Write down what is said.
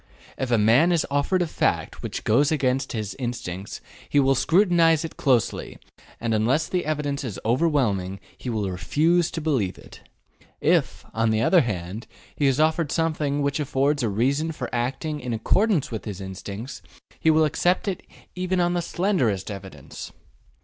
If a man is offered a fact which goes against his instincts, he will scrutinize it closely, and unless the evidence is overwhelming, he will refuse to believe it. If, on the other hand, he is offered something which affords a reason for acting in accordance with his instincts, he will accept it even on the slenderest evidence.